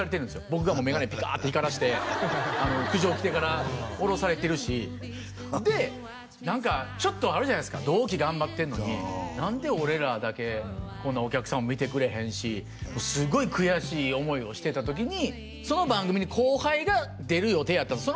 僕がメガネピカーって光らせて苦情きてから降ろされてるしで何かちょっとあるじゃないですか同期頑張ってんのに何で俺らだけこんなお客さんも見てくれへんしすごい悔しい思いをしてた時にその番組に後輩が出る予定やったんです